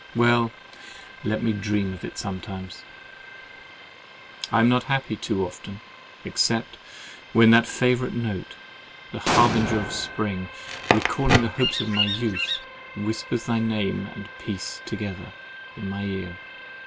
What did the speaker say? Well, let me dream of it sometimes—I am not happy too often, except when that favourite note, the harbinger of spring, recalling the hopes of my youth, whispers thy name and peace together in my ear.